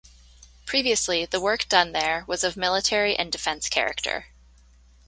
Previously the work done there was of military and defense character.